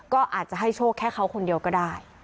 ก็อาจจะให้โชคแค่เขาคนเดียวก็ได้